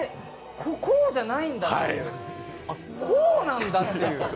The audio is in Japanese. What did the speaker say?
こうじゃないんだっていう、こうなんだっていう。